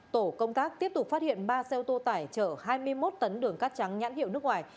tổ công tác tiếp tục phát hiện ba xe ô tô tải chở hai mươi một tấn đường cát trắng nhãn hiệu nước ngoài